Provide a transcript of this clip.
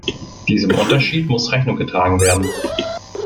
Diesem Unterschied muss Rechnung getragen werden.